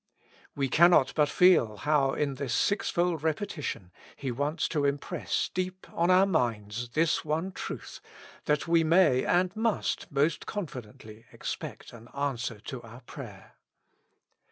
''^ We cannot but feel 40 With Christ in the School of Prayer. how in this sixfold repetition He wants to impress deep on our minds this one truth, that we may and must most confidently expect an answer to our prayer.